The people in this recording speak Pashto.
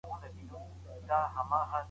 په دولت کې سياست تر نورو بنسټونو مهم دی.